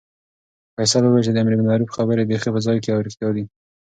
فیصل وویل چې د امربالمعروف خبرې بیخي په ځای او رښتیا دي.